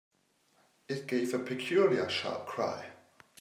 It gave a peculiarly sharp cry.